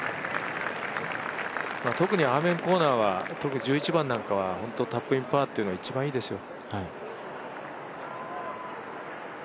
特にアーメンコーナーは１１番なんかは本当タップインパーというのが一番いいですよ。